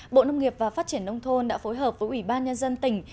bộ nông nghiệp và phát triển nông thôn đã phối hợp với ủy ban nhân dân tỉnh